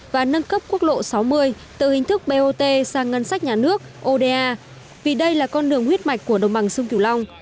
và nâng cấp quốc lộ sáu mươi từ hình thức bot sang ngân sách nhà nước oda vì đây là con đường huyết mạch của đồng bằng sông kiều long